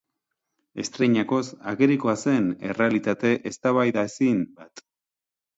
Estreinakoz, agerikoa zen errealitate eztabaidaezin bat.